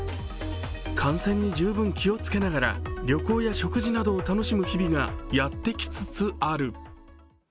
感染に十分気をつけながら旅行や食事を楽しめる日々がやってきつつある。